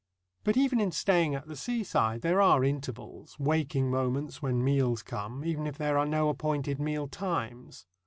But even in staying at the seaside there are intervals, waking moments when meals come, even if there are no appointed meal times.